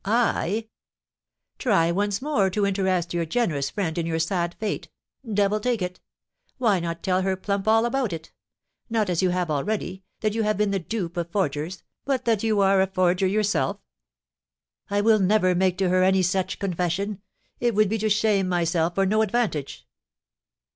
"I!" "Try once more to interest your generous friend in your sad fate. Devil take it! Why not tell her plump all about it; not, as you have already, that you have been the dupe of forgers, but that you are a forger yourself?" "I will never make to her any such confession; it would be to shame myself for no advantage."